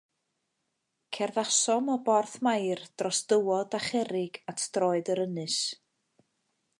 Cerddasom o borth Mair dros dywod a cherrig at droed yr ynys.